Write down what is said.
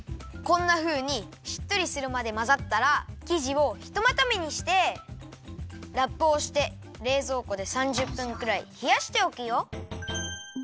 こんなふうにしっとりするまでまざったらきじをひとまとめにしてラップをしてれいぞうこで３０分くらいひやしておくよ。